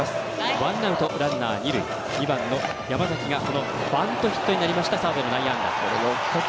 ワンアウト、ランナー、二塁２番の山崎がバントヒットになりました。